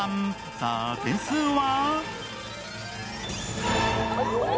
さあ、点数は？